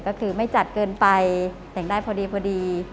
ก็คือไม่จัดเกินไปแต่งได้พอดีพอดี